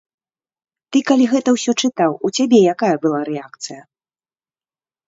Ты калі гэта ўсё чытаў, у цябе якая была рэакцыя?